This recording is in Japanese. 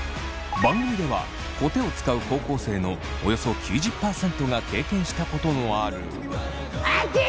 番組ではコテを使う高校生のおよそ９０％が経験したことのある。